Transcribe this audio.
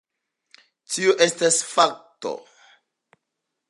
Tio estas fakto.